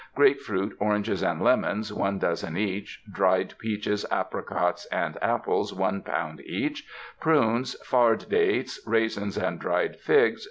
Grape Fruit, Oranges and Lemons 1 dozen each Dried peaches, apricots and apples 1 lb. each Prunes, Fard Dates, Raisins and Dried Figs..